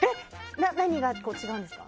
何がこう、違うんですか？